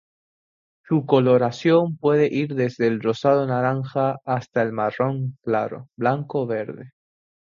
Su coloración puede ir desde el rosado-naranja hasta el marrón claro, blanco o verde.